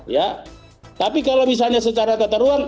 ya tapi kalau misalnya secara tata ruang